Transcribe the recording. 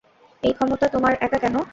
এই ক্ষমতা তোমার একা কেন?